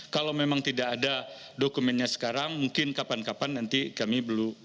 kalau memang tidak ada dokumennya sekarang mungkin kapan kapan nanti kami belum